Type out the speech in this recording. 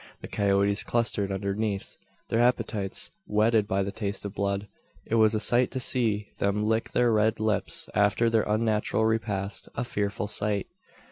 The coyotes clustered underneath their appetites whetted by the taste of blood. It was a sight to see them lick their red lips after their unnatural repast a fearful sight!